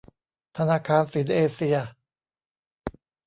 ธนาคารสินเอเซีย